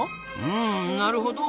うんなるほど！